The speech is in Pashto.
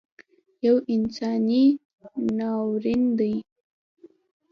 یو انساني ناورین دی